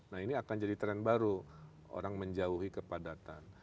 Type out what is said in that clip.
nah ini akan jadi tren baru orang menjauhi kepadatan